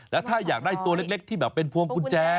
แล้วถ้าอยากได้ตัวเล็กที่แบบเป็นพวงกุญแจ